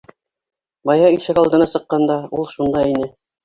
Бая ишек алдына сыҡҡанда, ул шунда ине.